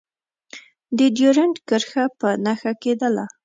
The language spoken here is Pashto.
د ډیورنډ کرښه په نښه کېدله.